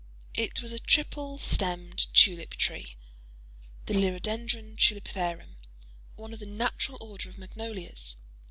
It was a triple stemmed tulip tree—the Liriodendron Tulipiferum—one of the natural order of magnolias.